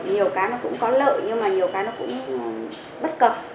nhiều cái nó cũng có lợi nhưng mà nhiều cái nó cũng bất cập